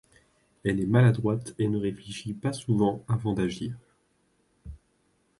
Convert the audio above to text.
Elle est maladroite et ne réfléchit pas souvent avant d'agir.